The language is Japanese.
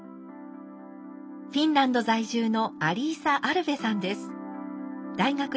フィンランド在住のアリーサ・アルヴェさんです。